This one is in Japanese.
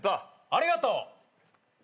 ありがとう。